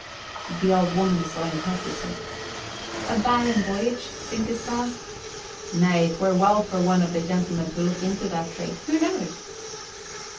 The old woman saw him hesitate. "A barren voyage, think'st thou? Nay, 'twere well for one of the gentlemen to look into that trade. Who knows?"